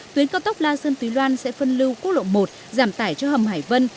tuyến cao tốc la sơn túy loan sẽ phân lưu quốc lộ một giảm tải cho hầm hải vân